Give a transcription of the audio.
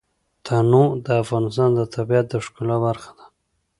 تنوع د افغانستان د طبیعت د ښکلا برخه ده.